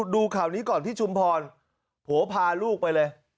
ดูข่าวนี้ก่อนที่ชุมพรผัวพาลูกไปเลย